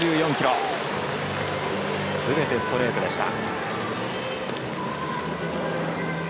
すべてストレートでした。